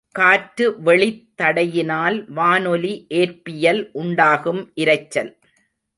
காற்று வெளித் தடையினால் வானொலி ஏற்பியில் உண்டாகும் இரைச்சல்.